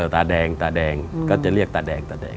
ตาแดงตาแดงก็จะเรียกตาแดงตาแดง